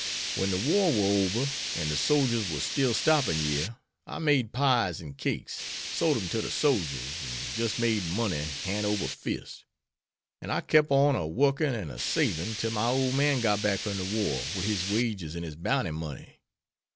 When de war war ober an' de sogers war still stopping' yere, I made pies an' cakes, sole em to de sogers, an' jist made money han' ober fist. An' I kep' on a workin' an' a savin' till my ole man got back from de war wid his wages and his bounty money.